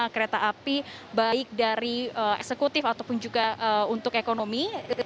tiga puluh lima kereta api baik dari eksekutif ataupun juga untuk ekonomi